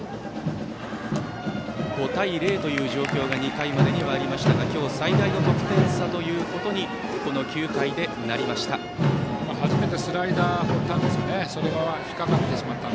５対０という状況が２回までにはありましたが今日最大の得点差ということにこの９回でなりました。